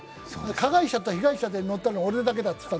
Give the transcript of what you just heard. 加害者と被害者で乗ったのは俺だけだって。